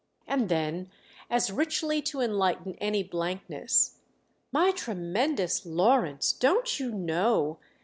And then as richly to enlighten any blankness: "My tremendous Lawrence, don't you know?